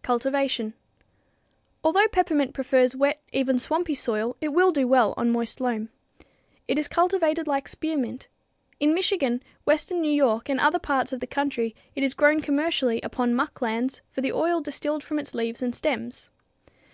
Cultivation. Although peppermint prefers wet, even swampy, soil, it will do well on moist loam. It is cultivated like spearmint. In Michigan, western New York and other parts of the country it is grown commercially upon muck lands for the oil distilled from its leaves and stems.